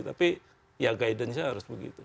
tapi ya guidance nya harus begitu